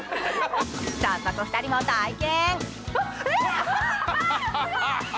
早速、２人も体験。